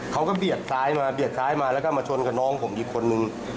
เขาก็เบียดซ้ายมาเบียดซ้ายมาแล้วก็มาชนกับน้องผมอีกคนนึง